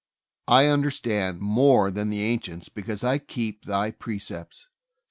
I understand more than the ancients, because I keep Thy pre cepts. (Ps.